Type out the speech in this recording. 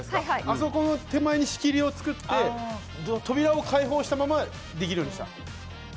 そこに仕切りを作って、扉を開放したままできるようにした。